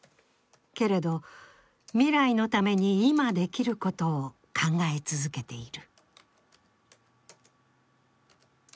けれど未来のために、今できることを考え続けている。